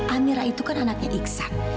amira itu kan anaknya iksan